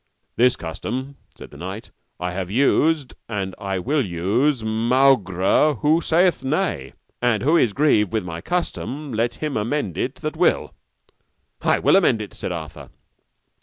This custom, said the knight, have I used and will use maugre who saith nay, and who is grieved with my custom let him amend it that will. I will amend it, said Arthur.